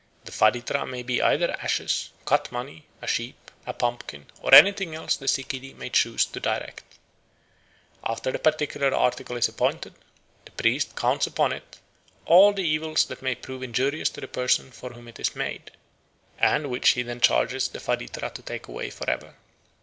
The faditra may be either ashes, cut money, a sheep, a pumpkin, or anything else the sikidy may choose to direct. After the particular article is appointed, the priest counts upon it all the evils that may prove injurious to the person for whom it is made, and which he then charges the faditra to take away for ever.